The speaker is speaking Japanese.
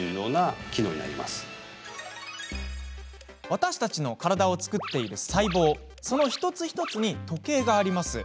私たちの体を作っている細胞その一つ一つに時計があります。